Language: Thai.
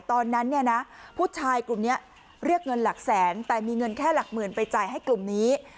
ตอนนั้นเนี่ยนะผู้ชายกลุ่มนี้เรียกเงินหลักแสนแต่มีเงินแค่หลักหมื่นไปจ่ายให้กลุ่มนี้